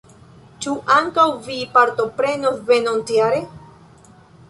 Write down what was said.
Ĉu ankaŭ vi partoprenos venontjare?